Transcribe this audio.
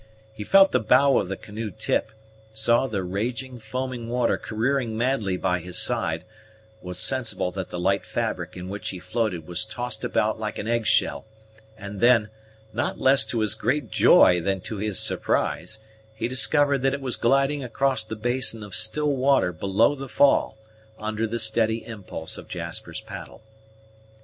He felt the bow of the canoe tip, saw the raging, foaming water careering madly by his side, was sensible that the light fabric in which he floated was tossed about like an egg shell, and then, not less to his great joy than to his surprise, he discovered that it was gliding across the basin of still water below the fall, under the steady impulse of Jasper's paddle.